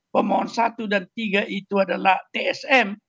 pemohon satu dan tiga itu adalah tsm